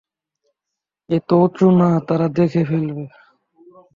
এত উচু না, তারা দেখে ফেলবে।